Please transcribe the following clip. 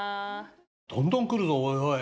どんどん来るぞおいおい。